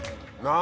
何？